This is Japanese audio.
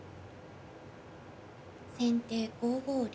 先手５五竜。